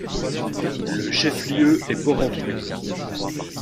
Le chef-lieu est Porrentruy.